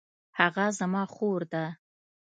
هغه زما خور ده